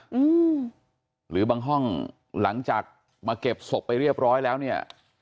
อืมหรือบางห้องหลังจากมาเก็บศพไปเรียบร้อยแล้วเนี่ย